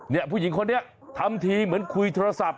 ผู้หญิงคนนี้ทำทีเหมือนคุยโทรศัพท์